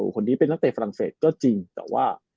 คนนี้เป็นนักเตะฝรั่งเศสก็จริงแต่ว่า